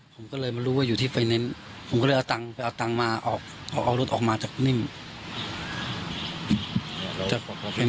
ผมก็เลยมารู้ว่าอยู่ที่ไฟแนนซ์ผมก็เลยเอาตังค์ไปเอาตังค์มาออกเอารถออกมาจากนิ่ม